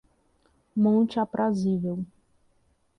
Monte Aprazível